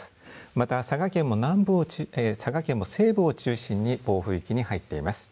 また、佐賀県も西部を中心に暴風域に入っています。